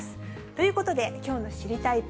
ということで、きょうの知りたいッ！